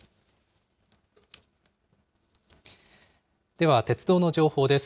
では鉄道の情報です。